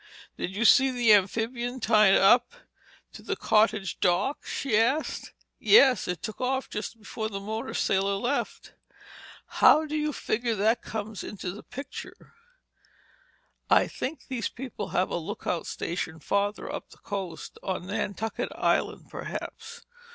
"Did you see the amphibian tied up to the cottage dock?" she asked. "Yes. It took off just before the motor sailor left." "Just how do you figure that it comes into the picture?" "I think these people have a lookout stationed farther up the coast—on Nantucket Island, perhaps.